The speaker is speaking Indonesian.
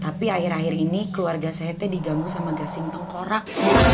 tapi akhir akhir ini keluarga saya teh diganggu sama gasing tengkorak